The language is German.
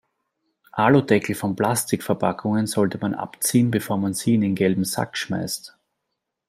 Aludeckel von Plastikverpackungen sollte man abziehen, bevor man sie in den gelben Sack schmeißt.